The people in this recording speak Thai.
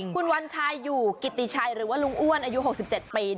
คุณวัญชัยอยู่กิติชัยหรือว่าลุงอ้วนอายุ๖๗ปี